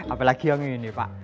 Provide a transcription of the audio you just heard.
apalagi yang ini pak